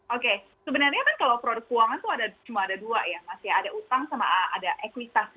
oke sebenarnya kalau produk uangan cuma ada dua ya mas